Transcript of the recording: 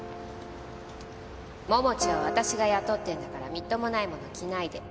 桃地は私が雇ってるんだからみっともないもの着ないで。